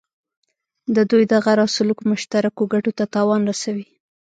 د دوی دغه راز سلوک مشترکو ګټو ته تاوان رسوي.